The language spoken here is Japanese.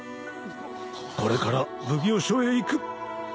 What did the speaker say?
これから奉行所へ行く。